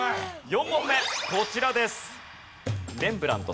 ４問目こちらです。